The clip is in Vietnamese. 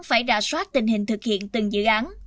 phải rà soát tình hình thực hiện từng dự án